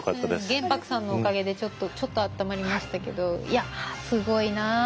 玄白さんのおかげでちょっと温まりましたけどいやすごいなあ。